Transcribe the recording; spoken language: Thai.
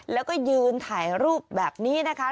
แล้วก็ยืนถ่ายรูปแบบนี้นะคะ